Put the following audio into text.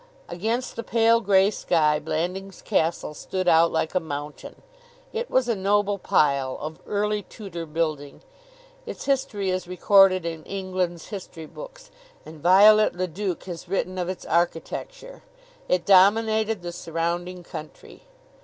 Against the pale gray sky Blandings Castle stood out like a mountain. It was a noble pile, of Early Tudor building. Its history is recorded in England's history books and Viollet le Duc has written of its architecture. It dominated the surrounding country.